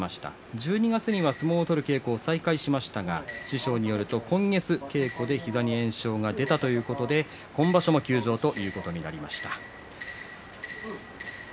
１２月には相撲を取る稽古を再開しましたが師匠によると今月稽古で膝に炎症が出たということで今場所も休場ということになりました。